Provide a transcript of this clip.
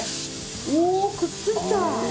おー、くっついた！